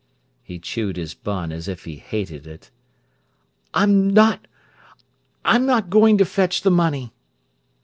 He chewed his bun as if he hated it. "I'm not—I'm not going to fetch the money."